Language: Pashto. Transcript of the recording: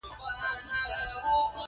پړانګ د انسانانو لپاره خطرناک دی.